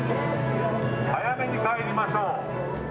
早めに帰りましょう。